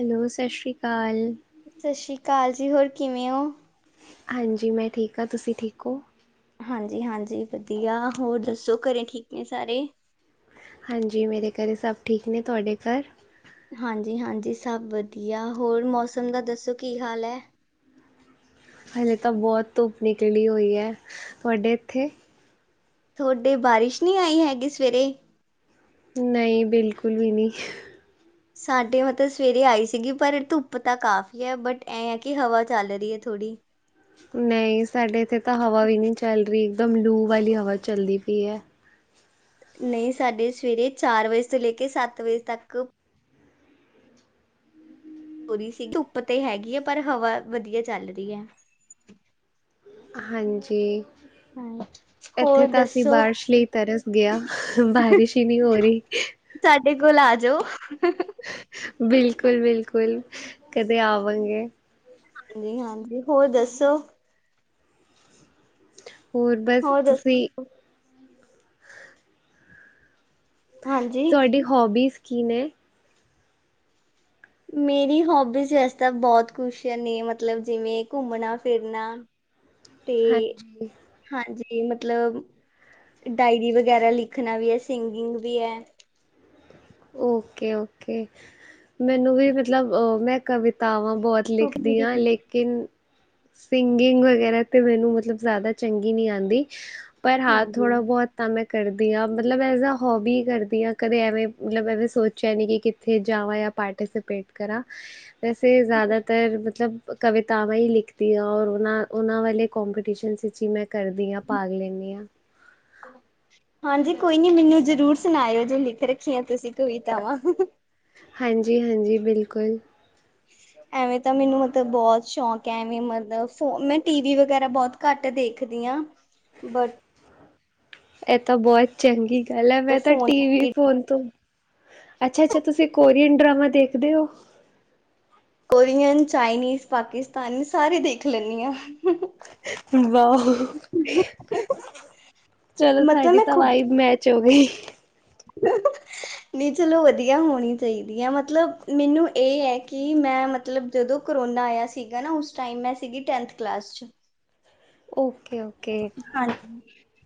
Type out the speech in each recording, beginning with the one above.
Hello, ਸਸ਼੍ਰੀ ਕਾਲ। ਸਸ਼੍ਰੀ ਕਾਲ ਜੀ, ਹੋਰ ਕਿਵੇਂ ਓ? ਹਾਂਜੀ, ਮੈਂ ਠੀਕ ਆਂ, ਤੁਸੀਂ ਠੀਕ ਓ? ਹਾਂਜੀ-ਹਾਂਜੀ ਵਧੀਆ ਹੋਰ ਦੱਸੋ, ਘਰੇ ਠੀਕ ਨੇ ਸਾਰੇ? ਹਾਂਜੀ ਮੇਰੇ ਘਰੇ ਸਭ ਠੀਕ ਨੇ, ਤੁਆਡੇ ਘਰ? ਹਾਂਜੀ-ਹਾਂਜੀ ਸਭ ਵਧੀਆ, ਹੋਰ ਮੌਸਮ ਦਾ ਦੱਸੋ ਕੀ ਹਾਲ ਐ? ਹਲੇੇ ਤਾਂ ਬੋਤ ਧੁੱਪ ਨਿਕਲੀ ਹੋਈ ਐ, ਤਆਡੇ ਏਥੇ? ਥੋਡੇ ਬਾਰਿਸ਼ ਨੀਂ ਆਈ ਹੈਗੀ ਸਵੇਰੇ? ਨਈਂ, ਬਿਲਕੁਲ ਵੀ ਨੀਂ। ਸਾਡੇ ਮਤਲਬ ਸਵੇਰੇ ਆਈ ਸੀਗੀ, ਪਰ ਧੁੱਪ ਤਾਂ ਕਾਫ਼ੀ ਐ, ਬਟ ਐਂਐ ਕਿ ਹਵਾ ਚੱਲ ਰੀ ਐ ਥੋੜੀ। ਨਈਂ ਸਾਡੇ ਏਥੇ ਤਾਂ ਹਵਾ ਵੀ ਨੀਂ ਚੱਲ ਰੀ, ਇੱਕਦਮ ਲੂ ਵਾਲੀ ਹਵਾ ਚੱਲਦੀ ਪਈ ਐ। ਨਈਂ ਸਾਡੇ ਸਵੇਰੇ ਚਾਰ ਵਜੇ ਤੋਂ ਲੇ ਕੇ ਸੱਤ ਵਜੇ ਤੱਕ ਹੋਰੀ ਸੀ ਧੁੱਪ ਤੇ ਹੈਗੀ ਏ, ਪਰ ਹਵਾ ਵਧੀਆ ਚੱਲ ਰਹੀ ਐ। ਹਾਂਜੀ, ਏਥੇ ਹੋਰ ਤਾਂ ਅਸੀਂ ਦੱਸੋ? ਬਾਰਿਸ਼ ਲਈ ਤਰਸ ਗੇਂਆ, ਬਾਰਿਸ਼ ਈ ਨੀਂ ਹੋਰੀ। ਸਾਡੇ ਕੋਲ ਆ ਜਾਓ, ਬਿਲਕੁਲ-ਬਿਲਕੁਲ ਕਦੇ ਆਵਾਂਗੇ। ਹਾਂਜੀ-ਹਾਂਜੀ, ਹੋਰ ਦੱਸੋ? ਹੋਰ ਬਸ, ਤੁਸੀ ਹਾਂਜੀ ਤੁਆਡੀ ਹੋਬੀਜ਼ ਕੀ ਨੇ? ਮੇਰੀ ਹੋਬੀਜ਼ ਵੈਸੇ ਤਾਂ ਬੋਤ ਕੁਛ ਨੇ, ਮਤਲਬ ਜਿਵੇਂ ਘੁੰਮਣਾ-ਫਿਰਨਾ? [inaudible] ਤੇ ਹਾਂਜੀ ਹਾਂਜੀ, ਮਤਲਬ ਡਾਇਰੀ ਵਗੈਰਾ ਲਿਖਣਾ ਵੀ ਐ, ਸਿੰਗਿੰਗ ਵੀ ਐ। ਓਕੇ-ਓਕੇ, ਮੈਨੂੰ ਵੀ ਮਤਲਬ ਅ ਮੈਂ ਕਵਿਤਾਵਾਂ ਬੋਤ ਲਿਖਦੀ ਆਂ, ਲੇਕਿਨ ਸਿੰਗਿੰਗ ਵਗੈਰਾ ਤੇ ਮੈਨੂੰ ਮਤਲਬ ਜਾਦਾ ਚੰਗੀ ਨੀਂ ਆਂਦੀ, ਪਰ ਹਾਂ ਹਾਂਜੀ ਥੋੜਾ ਬੋਤ ਤਾਂ ਮੈਂ ਕਰਦੀ ਆਂ, ਮਤਲਬ ਐਜ ਆ ਹੋਬੀ ਕਰਦੀ ਆਂ, ਕਦੇ ਐਵੇਂ ਮਤਲਬ ਐਂਵੇ ਸੋਚਿਆ ਨੀਂ ਕਿ ਕਿੱਥੇ ਜਾਵਾਂ ਯਾ ਪਾਰਟੀਸਪੇਟ ਕਰਾਂ। ਵੈਸੇ ਜ਼ਾਦਾਦਾਤਰ ਮਤਲਬ ਕਵਿਤਾਵਾਂ ਈ ਲਿਖਦੀਆਂ ਔਰ ਓਨਾਂ ਓਨਾਂ ਵਾਲੇ ਕੋਂਪੀਟੀਸ਼ਨਸ ਵਿੱਚ ਈ ਮੈਂ ਕਰਦੀ ਆਂ, ਭਾਗ ਲੈਂਨੀ ਆਂ। ਹਾਂਜੀ, ਕੋਈ ਨੀ ਮਿਨੂੰ ਜ਼ਰੂਰ ਸੁਣਾਇਓ ਜੋ ਲਿਖ ਰੱਖੀਆਂ ਤੁਸੀਂ ਕਵਿਤਾਵਾਂ। ਹਾਂਜੀ ਹਾਂਜੀ, ਬਿਲਕੁਲ। [inaudible] ਐਵੇਂ ਤਾਂ ਮੈਨੂੰ ਮਤਲਬ ਬੌਤ ਸ਼ੌਂਕ ਐ, ਐਵੇਂ ਮਤਲਬ ਫੋ ਮੈਂ ਟੀ ਵੀ ਵਗੈਰਾ ਬੌਤ ਘੱਟ ਦੇਖਦੀ ਆਂ। ਬਟ ਐਹ ਤਾਂ ਬੌਤ ਚੰਗੀ ਗੱਲ ਐ, ਮੈਂ ਤਾਂ ਫੋਨ ਟੀ ਵੀ ਫੋਨ ਤੋਂ ਅੱਛਾ-ਅੱਛਾ, ਤੁਸੀਂ ਕੋਰੀਅਨ ਡਰਾਮਾ ਦੇਖਦੇ ਔ? ਕੋਰੀਅਨ, ਚਾਈਨੀਜ਼, ਪਾਕਿਸਤਾਨੀ ਸਾਰੇ ਦੇਖ ਲੈਣੀ ਆਂ। ਵਾਹ। ਚਲੋ ਮਤਲਬ ਸਾਡੀ ਮੈਂ ਤਾਂ ਖੁਦ ਵਾਈਬ ਮੈਚ ਹੋ ਗਈ। [unintelligible] ਨਹੀਂ ਚਲੋ ਵਧੀਆ, ਹੋਣੀ ਚਾਈਦੀ ਐ। ਮਤਲਬ ਮੈਨੂੰ ਏਹ ਐ ਕਿ ਮੈਂ ਮਤਲ ਤਲਬ ਜਦੋਂ ਕਰੋਨਾ ਆਇਆ ਸੀਗਾ ਨਾ ਉਸ ਟਾਈਮ ਮੈਂ ਸੀਗੀ ਟੈਂਨਥ ਕਲਾਸ 'ਚ। Okay, okay. ਹਾਂਜ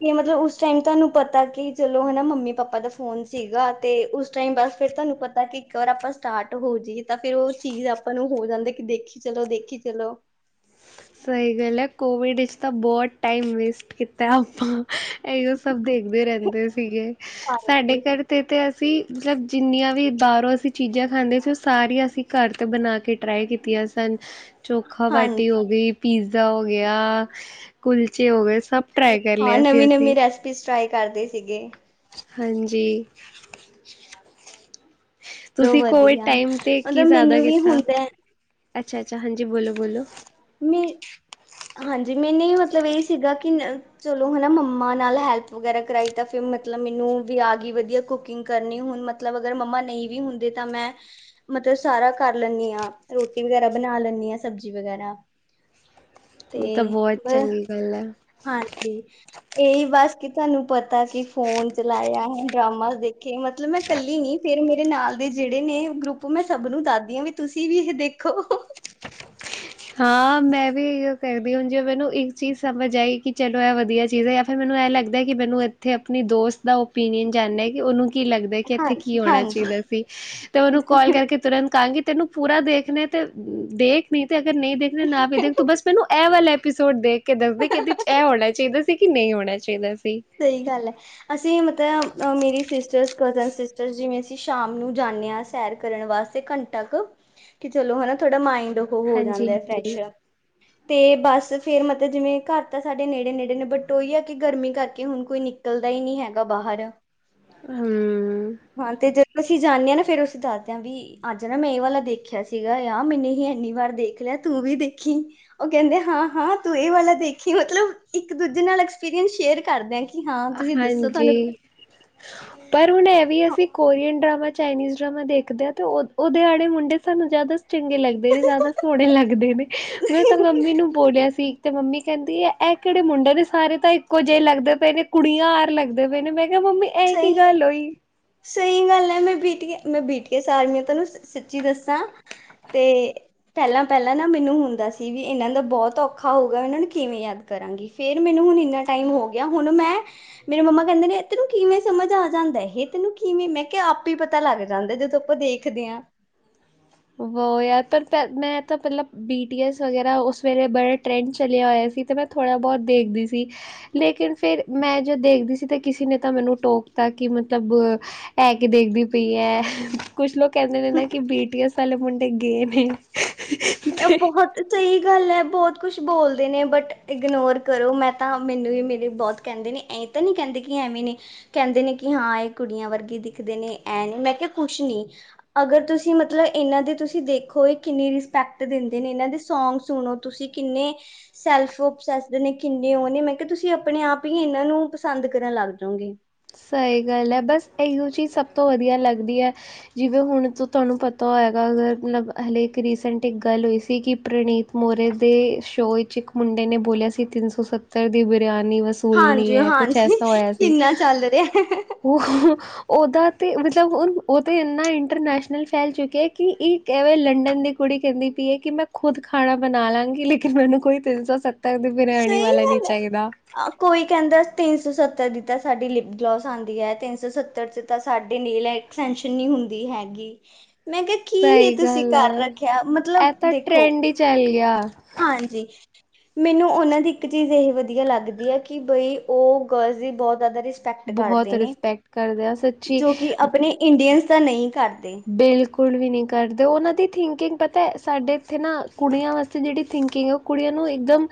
ਕਿ ਮਤਲਬ ਉਸ ਟਾਈਮ ਤਾਨੂੰ ਪਤਾ ਕਿ ਚਲੋ ਹਨਾ ਮੰਮੀ-ਪਾਪਾ ਦਾ ਫੋਨ ਸੀਗਾ। ਤੇ ਉਸ ਟਾਈਮ ਬਸ ਫੇਰ ਤਾਨੂੰ ਪਤਾ ਕਿ ਇੱਕ ਵਾਰ ਅਪਾਂ ਸਟਾਰਟ ਹੋ ਜਾਈਏ ਤਾਂ ਫੇਰ ਓਹ ਚੀਜ਼ ਆਪਾਂ ਨੂੰ ਹੋ ਜਾਂਦੀ ਕਿ ਦੇਖਿ ਕਿ ਚਲੋ, ਦੇਖੀ ਚਲੋ। ਸਹੀ ਗੱਲ ਐ, ਕੋਵਿਡ ਇਚ ਤਾਂ ਬੌਤ ਟਾਈਮ ਵੇਸਟ ਕੀਤੈ ਆਪਾਂ। ਐਈਓ ਸਭ ਦੇਖਦੇ ਰੈੰਦੇ ਸੀਗੇ। ਸਾਡੇ ਹਾਂਜੀ। ਘਰ ਤੇ ਤੇ ਅਸੀਂ ਮਤਲਬ ਜਿੰਨੀਆਂ ਵੀ ਬਾਰੋਂ ਅਸੀਂ ਚੀਜ਼ਾਂ ਖਾਂਦੇ ਸੀ, ਓਹ ਸਾਰੀਆਂ ਅਸੀਂ ਘਰ ਤੇ ਬਣਾ ਕੇ ਟਰਾਈ ਕੀਤੀਆਂ ਸਨ। ਚੋਖਾ ਬਾਟੀ ਹਾਂਜੀ ਹੋ ਗਈ, ਪੀਜ਼ਾ ਹੋ ਗਿਆ, ਕੁਲਚੇ ਹੋ ਗਏ। ਸਭ ਟਰਾਈ ਕਰ ਲਿਆ ਸੀ ਅਸੀਂ। ਪੀਸ ਟਰਾਈ ਕਰਦੇ ਸੀਗੇ। ਹਾਂਜੀ। ਚਲੋ ਤੁਸੀਂ ਕੋਵਿਡ ਵਧੀਆ ਟਾਈਮ ਤੇ ਕੀ ਮਤਲਬ ਜੈਦਾ ਮੈਨੂੰ ਵੀ ਕੀਤਾ? ਹੁੰਦਾ ਹੈ, ਅੱਛਾ-ਅੱਛਾ, ਹਾਂਜੀ ਬੋਲੋ ਬੋਲੋ। ਮੀ ਹਾਂਜੀ, ਮੈਨੇ ਈ ਮਤਲਬ ਏਹ ਸੀਗਾ ਕਿ ਨ ਚਲੋ ਹਨਾ ਮੰਮਾ ਨਾਲ ਹੈਲਪ ਵਗੈਰਾ ਕਰਾਈ ਤਾਂ ਫਿਰ ਮਤਲਬ ਮੈਨੂੰ ਵੀ ਆ ਗੀ ਵਧੀਆ ਕੁਕਿੰਗ ਕਰਨੀ। ਹੁਣ ਮ ਮਤਲਬ ਅਗਰ ਮੰਮਾ ਨਹੀਂ ਵੀ ਹੁੰਦੇ ਤਾਂ ਮੈਂ ਮਤਲਬ ਸਾਰਾ ਕਰ ਲੈਂਣੀ ਆਂ, ਰੋਟੀ ਵਗੈਰਾ ਬਣਾ ਲੈਣੀ ਆਂ, ਸਬਜ਼ੀ ਵਗੈਰਾ। ਇਹ ਤਾਂ ਤੇ ਬਹੁਤ ਬ ਚੰਗੀ ਗੱਲ ਹੈ। ਹਾਂਜੀ, ਏਹੀ ਬਸ ਕੀ ਤੁਆਨੂੰ ਪਤਾ ਕਿ ਫੋਨ ਚਲਾਇਆ, ਡਰਾਮਾ ਦੇਖ ਕਿ ਮਤਲਬ ਮੈਂ ਕੱਲੀ ਨੀ ਫੇਰ ਮੇਰੇ ਨਾਲ ਦੇ ਜੇੜੇ ਨੇ ਗਰੁੱਪ ਮੈਂ ਸਭ ਨੂੰ ਦਾਦੀ ਆਂ ਵੀ ਤੁਸੀਂ ਵੀ ਇਹ ਦੇਖੋ। ਹਾਂ, ਮੈਂ ਵੀ ਇਹੋ ਕਰਦੀ ਹੁਣ ਜੇ ਮੈਨੂੰ ਇੱਕ ਚੀਜ਼ ਸਮਝ ਆਈ ਕਿ ਚਲੋ ਐਹ ਵਧੀਆ ਚੀਜ਼ ਐ। ਫਿਰ ਮੈਨੂੰ ਐਹ ਲੱਗਦੈ ਕਿ ਮੈਨੂੰ ਏਥੇ ਅਪਣੀ ਦੋਸਤ ਦਾ ਓਪੀਨੀਅਨ ਜਾਣਣੈ ਕਿ ਓਹਨੂੰ ਕੀ ਲੱਗਦੈ ਕਿ ਹਾਂ ਐਥੇ ਕੀ ਹੋਣਾ ਹਾਂਜੀ ਚਾਈਦਾ ਸੀ, ਤੇ ਓਹਨੂੰ ਕੋਲ ਕਰਕੇ ਤੁਰੰਤ ਕਾਂਗੀ ਤੈਨੂੰ ਪੂਰਾ ਦੇਖਣੈ ਤੇ ਦੇਖ ਨੀ ਤੇ ਅਗਰ ਨਹੀਂ ਦੇਖਣਾ ਨਾ ਵੀ ਦੇਖ। ਤੂੰ ਬਸ ਮੈਨੂੰ ਐਹ ਵਾਲਾ ਐਪੀਸੋਡ ਦੇਖ ਕੇ ਦੱਸਦੇ ਕਿ ਐਦੇ ਚ ਐਹ ਹੋਣਾ ਚਾਈਦਾ ਸੀ ਕਿ ਨਹੀਂ ਹੋਣਾ ਚਾਈਦਾ ਸੀ। ਸਹੀ ਗੱਲ ਐ। ਅਸੀਂ ਮਤਲਬ ਅ ਮੇਰੀ ਸਿਸਟਰਸ, ਕਜ਼ਨ ਸਿਸਟਰ ਜਿਵੇਂ ਅਸੀਂ ਸ਼ਾਮ ਨੂੰ ਜਾਂਣੇ ਆਂ ਸੈਰ ਕਰਨ ਵਾਸ ਤੇ ਘੰਟ ਕ, ਕਿ ਚਲੋ ਹਨਾ ਥੋੜਾ ਮਾਇੰਡ ਓਹ ਹੋ ਜਾਂਦੈ ਹਾਂਜੀ-ਹਾਂਜੀ ਫਰੈਸ਼। ਤੇ ਬਸ ਫੇਰ ਮਤਲਬ ਜਿਵੇਂ ਘਰ ਤਾਂ ਸਾਡੇ ਨੇੜੇ-ਨੇੜੇ ਨੇ, ਬਟ ਓਈ ਆ ਕਿ ਗਰਮੀ ਕਰ ਕਿ ਹੁਣ ਕੋਈ ਨਿਕਲਦਾ ਈ ਨੀ ਹੈਗਾ ਬਾਹਰ। ਹੂੰ। ਹਾਂ ਤੇ ਜਦੋਂ ਅਸੀਂ ਜਾਨੇ ਆ ਨਾ, ਫੇਰ ਅਸੀਂ ਦੱਹਦੇ ਆ ਵੀ ਅੱਜ ਨਾ ਮੈਂ ਇਹ ਵਾਲਾ ਦੇਖਿਆ ਸੀਗਾ। ਯ ਮੈਨੂੰ ਵੀ ਇੰਨੀ ਵਾਰ ਦੇਖ ਲਿਆ ਤੂੰ ਵੀ ਦੇਖੀ। ਉਹ ਕਹਿੰਦੇ ਹਾਂ-ਹਾਂ ਤੂੰ ਇਹ ਵਾਲਾ ਦੇਖੀ। ਮਤਲਬ, ਇੱਕ-ਦੂਜੇ ਨਾਲ ਐਕਸਪੀਰੀਐਂਸ ਸ਼ੇਅਰ ਕਰਦੇ ਆ ਕਿ ਹਾਂ ਤੁਸੀਂ ਦੱਸੋ ਤੁਹਾਨੂੰ ਹਾਂਜੀ। ਪਰ ਹੁਣ ਇਹ ਵੀ ਅਸੀਂ ਕੋਰੀਅਨ ਡਰਾਮਾ, ਚਾਈਨੀਜ਼ ਡਰਾਮਾ, ਦੇਖਦੇ ਆ ਤੇ ਉਹ ਓਦੇ ਆਲੇ ਮੁੰਡੇ ਸਾਨੂੰ ਜ਼ਿਆਦਾ ਸ ਚੰਗੇ ਲੱਗਦੇ ਨੇ, ਜ਼ਿਆਦਾ ਸੋਹਣੇ ਲੱਗਦੇ ਨੇ। ਮੈਂ ਤਾਂ ਮੰਮੀ ਨੂੰ ਬੋਲਿਆ ਸੀ ਤੇ ਮੰਮੀ ਕਹਿੰਦੀ ਐ ਐਹ ਕਿਹੜੇ ਮੁੰਡੇ ਨੇ। ਸਾਰੇ ਤਾਂ ਇੱਕੋ ਜਿਹੇ ਲੱਗਦੇ ਪਏ ਨੇ। ਕੁੜੀਆਂ ਆਰ ਲੱਗਦੇ ਪਏ ਨੇ, ਮੈਂ ਕਿਹਾ ਮੰਮੀ ਇਹ ਕੀ ਗੱਲ ਹੋਈ ਸਹੀ-ਸਹੀ ਗੱਲ ਐ। ਮੈਂ ਬੀਠ ਕੇ, ਮੈਂ ਬੀਠ ਕੇ ਸਾਰ, ਮੈਂ ਤੁਹਾਨੂੰ ਸੱਚੀ ਦੱਸ ਹੈ, ਤੇ ਪਹਿਲਾਂ-ਪਹਿਲਾਂ ਨਾ ਮੈਨੂੰ ਹੁੰਦਾ ਸੀ, ਵੀ ਇਹਨਾਂ ਦਾ ਬਹੁਤ ਔਖਾ ਹੋਊਗਾ। ਇਹਨਾਂ ਨੂੰ ਕਿਵੇਂ ਯਾਦ ਕਰਾਂਗੀ। ਫੇਰ ਮੈਨੂੰ ਹੁਣ ਇੰਨਾ ਟਾਈਮ ਹੋ ਗਿਆ। ਹੁਣ ਮੈਂ, ਮੇਰੇ ਮੰਮਾ ਕਹਿੰਦੇ ਨੇ ਤੈਨੂੰ ਕਿਵੇਂ ਸਮਝ ਆ ਜਾਂਦਾ ਇਹ ਤੈਨੂੰ ਕਿਵੇਂ। ਮੈਂ ਕਿਹਾ ਆਪੇ ਈ ਪਤਾ ਲੱਗ ਜਾਂਦਾ, ਜਦੋਂ ਆਪਾਂ ਦੇਖਦੇ ਆ। ਵੋ ਯਾਰ, ਪਰ ਮੈਂ ਤਾਂ ਪਹਿਲਾਂ ਬੀ ਟੀ ਐਸ ਵਗੈਰਾ, ਉਸ ਵੇਲੇ ਬੜਾ ਟਰੈਂਡ ਚਲਿਆ ਹੋਇਆ ਸੀ, ਤੇ ਮੈਂ ਥੋੜ੍ਹਾ ਬਹੁਤ ਦੇਖਦੀ ਸੀ। ਲੇਕਿਨ, ਫਿਰ ਮੈਂ ਜੋ ਦੇਖਦੀ ਸੀ ਤਾਂ ਕਿਸੇ ਨੇ ਤਾਂ ਮੈਨੂੰ ਟੋਕਤਾ ਕਿ ਮਤਲਬ, ਐ ਕਿ ਦੇਖਦੀ ਪਈ ਐ। ਕੁੱਛ ਲੋਕ ਕਹਿੰਦੇ ਨੇ ਨਾ, ਕਿ ਬੀ ਟੀ ਐਸ ਆਲੇ ਮੁੰਡੇ ਗੇ ਨੇ। ਇਹ ਬਹੁਤ ਸਹੀ ਗੱਲ ਐ। ਬਹੁਤ ਕੁਛ ਬੋਲਦੇ ਨੇ, ਬਟ ਇਗਨੋਰ ਕਰੋ। ਮੈਂ ਤਾਂ ਮੈਨੂੰ ਵੀ ਮੇਰੀ ਬਹੁਤ ਕਹਿੰਦੇ ਨੇ। ਐਂ ਤਾਂ ਨ੍ਹੀਂ ਕਹਿੰਦੇ ਕਿ ਐਵੇਂ ਨੀ ਕਹਿੰਦੇ ਨੇ ਕਿ ਹਾਂ ਇਹ ਕੁੜੀਆਂ ਵਰਗੇ ਦਿਖਦੇ ਨੇ। ਐਂ ਨੇ, ਮੈਂ ਕਿਹਾ ਕੁਛ ਨੀ ਅਗਰ ਤੁਸੀਂ ਮਤਲਬ, ਇਹਨਾਂ ਦੀ ਤੁਸੀਂ ਦੇਖੋ, ਇਹ ਕਿੰਨੀ ਰਿ ਪੈਕਟ ਦਿੰਦੇ ਨੇ। ਇਹਨਾਂ ਦੇ ਸੌਗ ਸੁਣੋ ਤੁਸੀਂ, ਕਿੰਨੇ ਸੈਲ ਫੋਪ ਸੈਸ ਦੇ ਨੇ। ਕਿੰਨੇ ਉਹ ਨੇ, ਮੈਂ ਕਿਹਾ ਤੁਸੀਂ ਆਪਣੇ ਆਪ ਹੀ ਇਹਨਾਂ ਨੂੰ ਪਸੰਦ ਕਰਨ ਲੱਗਪੋਗੇ। ਸਹੀ ਗੱਲ ਐ। ਬਸ, ਇਹੀਓ ਚੀਜ਼ ਸਭ ਤੋਂ ਵਧੀਆ ਲੱਗਦੀ ਐ। ਜਿਵੇਂ ਹੁਣ ਤੁਹਾਨੂੰ ਪਤਾ ਹੋਇਗਾ, ਅਗਰ ਮਲਬ ਹਲੇੇ ਇੱਕ ਰੀਸੈਂਟ ਇੱਕ ਗੱਲ ਹੋਈ ਸੀ, ਕਿ ਪ੍ਰਨੀਤ ਮੋਰੇ ਦੇ ਸ਼ੋਅ ਵਿਚ, ਇਕ ਮੁੰਡੇ ਨੇ ਬੋਲਿਆ ਸੀ ਤਿੰਨ-ਸੌ-ਸੱਤਰ ਦੀ ਬਰਿਆਨੀ ਵਸ ਸਕੂਲ ਨੀ ਹਾਂਜੀ ਐ, ਕੁਛ ਹਾਂਜੀ ਐਸਾ ਹੋਇਆ ਸੀ। [inaudible] ਉਹ ਉਹਦਾ ਤੇ ਮਤਲਬ, ਉਹ-ਉਹ ਤੇ ਇੰਨਾ ਇੰਟਰਨੈਸ਼ਨਲ ਫੈਲ ਚੁੱਕਿਆ ਕਿ ਇਹ ਕਿਵੇਂ ਲੰਡਨ ਦੀ ਕੁੜੀ ਕਹਿੰਦੀ ਪੀਏ, ਕਿ ਮੈਂ ਖੁਦ ਖਾਣਾ ਬਣਾਲਾਂ ਗੀ। ਲੇਕਿਨ ਮੈਨੂੰ ਕੋਈ ਤਿੰਨ-ਸੌ -ਸੱ ਸਹੀ ਗੱਲ ਐ। ਕੋਈ ਕਹਿੰਦਾ ਤਿੰਨ-ਸੌ-ਸੱਤਰ ਦੀ ਤਾਂ ਸਾਡੀ ਲਿਪਗਲੋਸ ਆਉਂਦੀ ਐ। ਤਿੰਨ-ਸੌ-ਸੱਤਰ 'ਚ ਤਾਂ ਸਾਡੇ ਨੇਲ ਸਟੈਂਸ਼ਨ ਨ੍ਹੀਂ ਹੁੰਦੀ ਹੈਗੀ। ਮੈਂ ਕਿਹਾ ਕੀ ਇਹ ਸਹੀ ਤੁਸੀਂ ਗੱਲ ਕਰ ਹੈ ਰੱਖਿਆ। ਮਤਲਬ ਇਹ ਤਾਂ ਦੇਖੋ, ਟਰੈਂਡ ਹੀ ਚੱਲ ਗਿਆ। ਹਾਂਜੀ। ਮੈਨੂੰ ਉਹਨਾਂ ਦੀ ਇੱਕ ਚੀਜ਼ ਇਹ ਵਧੀਆ ਲੱਗਦੀ ਐ। ਕਿ ਬਈ, ਉਹ ਗਰਲਜ਼ ਦੀ ਬਹੁਤ ਜ਼ਿਆਦਾ ਰਿਸ ਪੈਕਟ ਬਹੁਤ ਕਰਦੇ ਨੇ। ਰਿਸਪੈਕਟ ਕਰਦੇ ਆ ਸੱਚੀ ਜੋ ਕਿ ਆਪਣੇ ਇੰਡੀਅਨਸ ਤਾਂ ਨਹੀਂ ਕਰਦੇ। ਬਿਲਕੁਲ ਵੀ ਨਹੀਂ ਕਰਦੇ। ਉਹਨਾਂ ਦੀ ਥਿੰਕਿੰਗ ਪਤਾ, ਸਾਡੇ ਇੱਥੇ ਨਾ ਕੁੜੀਆਂ ਵਾਸਤੇ ਜਿਹੜੀ ਥਿੰਕਿੰਗ, ਉਹ ਕੁੜੀਆਂ ਨੂੰ ਇੱਕਦਮ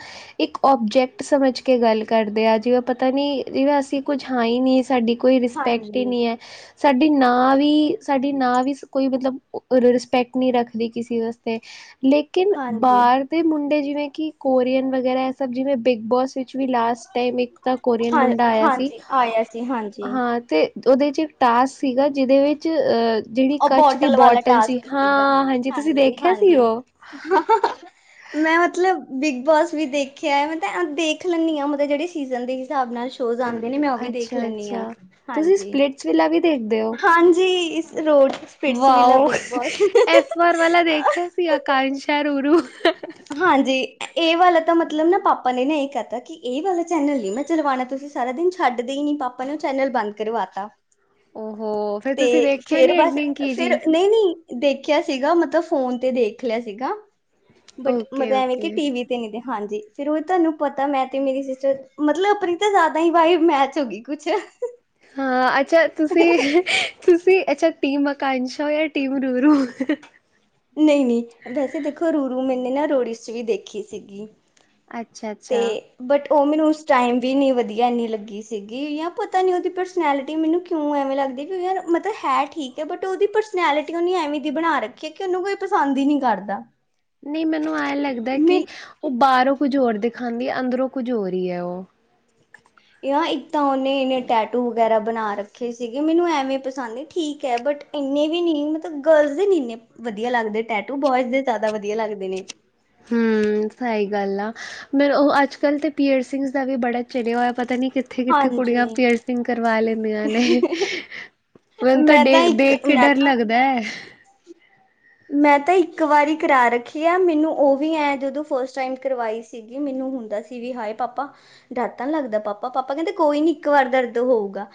ਇੱਕ ਓਬਜੈਕਟ ਸਮਝ ਕੇ ਗੱਲ ਕਰਦੇ ਆ। ਜਿਵੇਂ ਪਤਾ ਨੀ, ਜਿਵੇਂ ਅਸੀਂ ਕੁੱਝ ਹਾਂ ਈ ਨਹੀਂ ਸਾਡੀ ਕੋਈ ਰਿਸਪੈਕਟ ਈ ਹਾਂਜੀ ਨੀ ਐ। ਸਾਡੀ ਨਾ ਵੀ ਸਾਡੀ ਨਾ ਵੀ ਕੋਈ ਮਤਲਬ, ਉਹ ਰਿਸਪੈਕਟ ਨੀ ਰੱਖਦੀ ਕਿਸੇ ਵਸਤੇ। ਲੇਕਿਨ ਹਾਂਜੀ ਬਾਰ ਦੇ ਮੁੰਡੇ ਜਿਵੇਂ ਕਿ, ਕੋਰੀਅਨ ਵਗੈਰਾ, ਇਹ ਸਭ ਜਿਵੇਂ ਬਿਗ ਬੋਸ ਵਿੱਚ ਵੀ ਲਾਸਟ ਟਾਈਮ, ਇੱਕ ਤਾਂ ਕੋਰੀਅਨ ਹਾਂ ਮੁੰਡਾ ਆਇਆ ਸੀ। ਹਾਂਜੀ ਆਇਆ ਸੀ ਹਾਂਜੀ ਹਾਂ ਤੇ ਉਹਦੇ ਇਚ ਇੱਕ ਟਾਸਕ ਸੀਗਾ। ਜਿਹਦੇ ਵਿੱਚ ਅ ਜਿਹੜੀ ਉਹ ਕੱਚ ਦੀ ਵਾਲਾ ਬੋਟਲ ਸੀ, ਟਾਸਕ ਸੀਗਾ ਹਾਂ ਹਾਂਜੀ ਤੁਸੀਂ ਦੇਖਿਆਂ ਸੀ ਹਾਂਜੀ ਓ [inaudible] ਮੈਂ ਮਤਲਬ ਬਿਗ ਬੋਸ ਵੀ ਦੇਖਿਆ ਐ, ਮਤਲਬ ਦੇਖ ਲੇਨੀ ਆ ਮਤਲਬ ਜਿਹੜੇ ਸੀਜ਼ਨ ਦੇ ਹਿਸਾਬ ਨਾਲ਼। ਰੋਜ਼ ਆਂਦੇ ਨੇਂ ਮੈਂ ਉਹ ਵੀ ਦੇਖ ਲੈਨੀ ਆ, ਹਾਂਜੀ। ਚਿੱਲਾ ਵੀ ਦੇਖਦੇ ਔ। ਹਾਂਜੀ, ਇਸ ਰੋਡ Splitsvilla wow, big Boss ਇਸ ਵਾਰ ਵਾਲਾਂ ਦੇਖਿਆ ਸੀ ਅਕਾਨਛਾ ਰੋ -ਰੋ ਹਾਂਜੀ, ਇਹ ਵਾਲਾ ਤਾਂ ਮਤਲਬ ਨਾ ਪਾਪਾਂ ਨੇ ਵੇ ਇਹੀ ਕਹਿਤਾ ਕਿ ਇਹ ਵਾਲਾ ਚੈਨਲ ਨੀ ਮੈਂ ਚਲਵਾਣਾ ਤੁਸੀਂ ਸਾਰਾ ਦਿਨ ਛੱਡਦੇ ਹੀ ਨੀਂ, ਪਾਪਾਂ ਨੇਂ ਉਹ ਚੈਨਲ ਬੰਦ ਕਰਵਾਤਾ ਹੋ ਫੇਰ ਤੁਸੀਂ ਤੇ' ਦੇਖਿਆ ਫੇਰ ਨੀ ਬਸ ਐਂਡਿੰਗ ਕੀ ਫੇਰ ਜੀ ਨਹੀਂ-ਨਹੀਂ ਦੇਖਿਆਂ ਸੀਗਾ ਮਤਲਬ ਫ਼ੋਨ ਤੇ ਦੇਖ ਲ਼ਿਆ ਸੀਗਾ, ਬਟ ਮਤਲਬ ਓਕੇ ਐਵੇਂ ਕਿ ਓਕੇ ਟੀਵ ਤੇ, ਹਾਂਜੀ ਫੇਰ ਉਹੀਂ ਤੁਹਾਂਨੂੰ ਪਤਾਂ ਮੈਂ ਤੇ ਮੇਰੀ ਸਿਸਟਰ ਮਤਲਬ ਆਪਣੀਂ ਤਾਂ ਜ਼ਿਆਦਾ ਹੀ ਵਾਈਬ ਮੈਚ ਹੋਗੀ ਕੁੱਛ ਹਾਂ ਅੱਛਾ ਤੁਸੀਂ-ਤੁਸੀਂ ਅੱਛਾ ਟੀਮ ਅਕਾਸ਼ੋਂ ਜਾਂ ਟੀਮ ਰੂਰੂ ਨਹੀਂ-ਨਹੀਂ ਵੈਸੇ ਦੇਖੋ ਰੂੂਰੂ ਮੈਨੇ ਨਾ ਰੋੜੀ ਚ' ਵੀ ਦੇਖੀ ਸੀਗੀ ਅੱਛਾ ਤੇ ਅੱਛਾ ਬਟ ਉਹ ਮੈਨੂੰ ਉਸ ਟਾਇਮ ਵੀ ਨੀਂ ਵਧੀਆਂ ਇੰਨੀਂ ਲੱਗੀ ਸੀਗੀ, ਜਾਂ ਪਤਾਂ ਨੀ ਉਹਦੀ ਪਰਸਨੈਲਿਟੀ ਮੈਨੂੰ ਕਿਉਂ ਐਵੇਂ ਲੱਗਦੀ ਕਿ ਯਾਰ ਮਤਲਬ ਹੈ ਠੀਕ ਐ, ਬਟ ਉਹਦੀ ਪਰਸਨੈਲਿਟੀ ਉਹਨੇ ਐਵੇਂ ਦੀ ਬਣਾਂ ਰੱਖ ਕਿਉਂਕਿ ਉਹਨੂੰ ਕੋਈ ਪਸੰਦ ਹੀ ਨੀਂ ਕਰਦਾ [inaudible] ਨਹੀਂ ਮੈਨੂੰ ਐ ਲੱਗਦਾ ਮੇ ਕਿ ਉਹ ਬਾਹਰੋਂ ਕੁਝ ਹੋਰ ਦੇਖਾਂਦੀ ਐ, ਅੰਦਰੋਂ ਕੁਝ ਹੋਰ ਈ ਐ ਉਹ ਯਾ ਇੱਕ ਤਾਂ ਉਹਨੇ ਏਨੇ ਟੈਟੂ ਵਗ਼ੈਰਾ ਬਣਾਂ ਰੱਖੇ ਸੀਗੇ, ਮੈਨੂੰ ਐਵੇਂ ਪਸੰਦ ਨੀ ਠੀਕ ਹੈ ਬਟ ਏਨੇ ਵੀ ਨੀ ਮਤਲਬ ਗਰਲਜ਼ ਦੇ ਨੀ ਏਨੇ ਵਧੀਆਂ ਲੱਗਦੇ ਟੈਟੂ, ਬੋਇਜ਼ ਦੇ ਜ਼ਿਆਦਾ ਵਧੀਆਂ ਲੱਗਦੇ ਨੇ ਹੂੰ ਸਹੀ ਗੱਲ਼ ਆ ਮ ਉਹ ਅੱਜ ਕੱਲ੍ਹ ਤੇ ਪੀਅਰ ਸਿੰਘਜ਼ ਦਾ ਵੀ ਬੜਾਂ ਚਲਿਆਂ ਹੋਇਆਂ ਪਤਾਂ ਨੀ ਕਿੱਥੇ-ਕਿੱਥੇ ਕੁੜੀਆਂ ਹਾਂਜੀ ਪੀਅਰਸਿੰਗ ਕਰਵਾ ਲੈਂਦੀਆਂ ਨੇ ਮਨੂੰ ਤਾਂ ਮੈਂ ਇੱਕ ਡੇਖ-ਦੇਖ ਕੇ ਮੈਂ ਡਰ ਤਾਂ ਲੱਗਦਾ ਐ। ਮੈਂ ਤਾਂ ਇੱਕ ਵਾਰੀ ਕਰਾਂ ਰੱਖੀ ਆ, ਮੈਂਨੂੰ ਉਹ ਵੀ ਐ ਜਦੋਂ ਫਸਟ ਟਾਇਮ ਕਰਵਾਈ ਸੀ ਕਿਉਂਗਿ ਮੈਂਨੂੰ ਹੁੰਦਾਂ ਸੀ ਵੀ ਹਾਏ ਪਾਪਾ ਡਰ ਤਾਂ ਨੀਂ ਲੱਗਦਾ ਪਾਪਾ-ਪਾਪਾ ਕਹਿੰਦੇ ਕੋਈ ਨੀ ਇੱਕ ਵਾਰ ਦਰਦ ਹੋਊਗਾ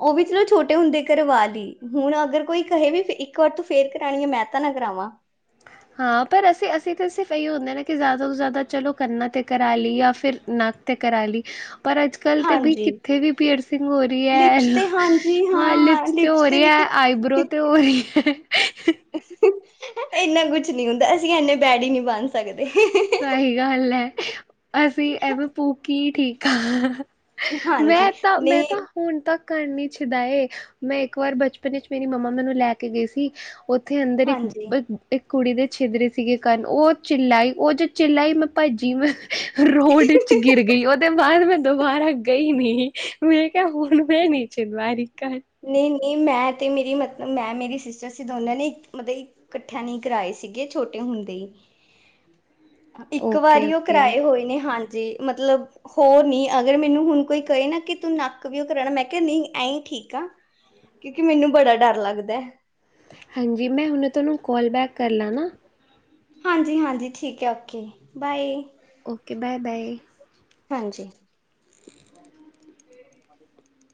ਉਹ ਵੀ ਚਲੋਂ ਛੋਟੇ ਹੁੰਦੇ ਕਰਵਾ ਲਈ ਹੁਣ ਅਗਰ ਕੋਈ ਕਹੇ ਵੀ ਇੱਕ ਵਾਰ ਤੋਂ ਫਿਰ ਕਰਾਣੀ ਐ ਮੈ ਤਾ ਨਾ ਕਰਾਵਾ ਹਾਂ ਪਰ ਅਸੀਂ-ਅਸੀਂ ਤਾਂ ਸਿਰਫ ਇਹੀਓ ਹੁੰਦਾਂ ਨਾ ਕਿ ਜ਼ਿਆਦਾ ਤੋਂ ਜ਼ਿਆਦਾ ਚਲੋ ਕੰਨਾਂ ' ਕਰਾ ਲਈ ਜਾਂ ਫਿਰ ਨਾ ਤੇ' ਕਰਾ ਲਈ ਪਰ ਅੱਜ ਕੱਲ ਤੇ ਬਈ ਹਾਂਜੀ ਕਿੱਥੇ ਵੀ ਪੀਅਰ ਸਿੰਘ ਹੋ ਰਹੀ ਐ। ਲਿਪਸ ਤੇ ਹਾਂਜੀ ਹਾਂ ਲਿਪਸ ਤੇ ਹੋ ਰਹੀ ਐ। ਵੀ ਆਈਬ੍ਰੋ ਤੇ ਹੋ ਰਹੀ ਐ। ਏਨਾਂ ਕੁੱਛ ਨੀਂ ਹੁੰਦਾਂ, ਅਸੀਂ ਐਨੇ ਬੈਡੀਗ ਨੀਂ ਬਣ ਸਕਦੇ ਸਹੀ ਗੱਲ ਐ, ਅਸੀਂ ਐਵੇਂ ਭੂ ਕੀ ਠੀਕ ਆ ਹਾਂਜੀ ਮੈਂ ਤਾਂ, ਮੈਂ ਨਹੀਂ ਤਾਂ ਹੁਣ ਤਾਂ ਕਰਨੀ ਛਦਾਏ, ਮੈਂ ਇੱਕ ਵਾਰ ਬਚਪਨ ਵਿੱਚ ਮੇਰੀ ਮੰਮਾ ਮੈਂਨੂੰ ਲੈ ਕੇ ਗਏ ਸੀ ਉੱਥੇ ਅੰਦਰ ਹਾਂਜੀ ਇੱਕ-ਇੱਕ ਕੁੜੀ ਦੇ ਛਿਦਰੇ ਸੀਗੇ ਕੰਨ ਉਹ ਚਿੱਲਾਈ ਉਹ ਜਦੋਂ ਚਿਲਾਈ, ਮੈਂ ਭਾਜੀ ਮੈਂ ਰੋਡ ਚ ਗਿਰ ਗਈਂ, ਉਹਦੇ ਬਾਅਦ ਮੈਂ ਦੁਬਾਰਾ ਗਈਂ ਨੀਂ ਮੈਂ ਕਿਹਾ ਹੁਣ ਮੈਂ ਚਿਰ ਵਾਰੀ ਕੰਨ ਨਹੀਂ-ਨਹੀਂ ਮੈਂ ਤੇ ਮੇਰੀ ਮਤਲ ਮੈਂ ਮੇਰੀ ਸਿਸਟਰ ਸੀ ਦੋਨਾਂ ਨੇ ਮਤਲਬ ਇਕੱਠਿਆਂ ਨੇ ਈ ਕਰਾਏ ਸੀਗੇ ਛੋਟੇ ਹੁੰਦੇ ਈ। [inaudible] ਇੱਕ ਓਕੇ ਵਾਰੀ ਓ ਓਕੇ ਕਰਾਏ ਹੋਏ ਨੇ ਹਾਂਜੀ ਮਤਲਬ ਹੋਰ ਨੀ ਅਗਰ ਮੈਨੂੰ ਹੁਣ ਕੋਈ ਕਹੇ ਨਾ ਕਿ ਤੂੰ ਨੱਕ ਵੀ ਓ ਕਰਾਲਾ ਮੈਂ ਕਿਹਾ ਨ‌ਈ ਐਈ ਠੀਕ ਆ। ਕਿਉਂਕਿ ਮੈਨੂੰ ਬੜਾ ਡਰ ਲੱਗਦਾ। ਹਾਂਜੀ ਮੈਂ ਹੁਣੇ ਥੋਨੂੰ ਕੋਲ ਬੈਕ ਕਰ ਲਾ ਨਾ‌। ਹਾਂਜੀ-ਹਾਂਜੀ ਠੀਕ ਐ ਓਕੇ, ਬਾਏ। Okay bye bye. ਹਾਂਜੀ। [inaudible]